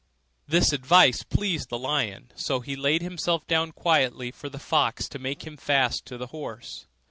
This advice pleased the lion, so he laid himself down quietly for the fox to make him fast to the horse.